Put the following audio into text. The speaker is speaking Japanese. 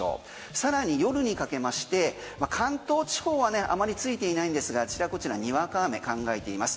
さらに夜にかけまして関東地方はあまりついていないんですがあちらこちらにわか雨考えています。